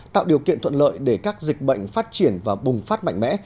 tạo điều kiện thuận lợi để các dịch bệnh phát triển và bùng phát mạnh mẽ